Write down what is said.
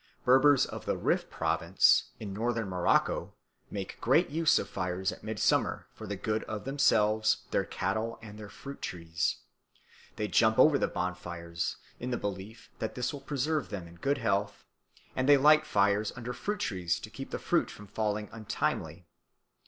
Berbers of the Rif province, in Northern Morocco, make great use of fires at midsummer for the good of themselves, their cattle, and their fruit trees. They jump over the bonfires in the belief that this will preserve them in good health, and they light fires under fruit trees to keep the fruit from falling untimely.